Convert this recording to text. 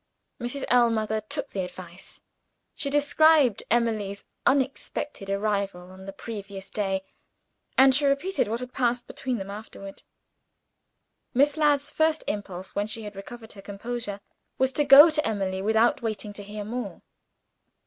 Mrs. Ellmother took the advice. She described Emily's unexpected arrival on the previous day; and she repeated what had passed between them afterward. Miss Ladd's first impulse, when she had recovered her composure, was to go to Emily without waiting to hear more.